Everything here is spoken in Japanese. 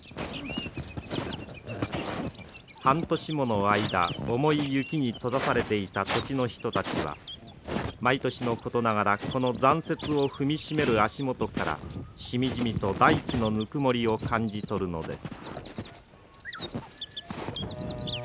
半年もの間重い雪に閉ざされていた土地の人たちは毎年のことながらこの残雪を踏み締める足元からしみじみと大地のぬくもりを感じ取るのです。